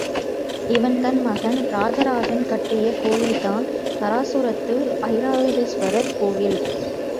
இவன்தன் மகன் ராஜராஜன் கட்டிய கோயில்தான் தாராசுரத்து ஐராவதேஸ்வரர் கோயில்.